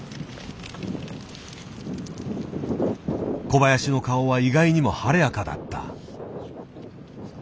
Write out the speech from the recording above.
小林の顔は意外にも晴れやかだった。